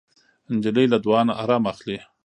نجلۍ له دعا نه ارام اخلي.